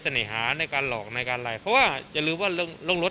หาในการหลอกในการอะไรเพราะว่าอย่าลืมว่าเรื่องเรื่องรถ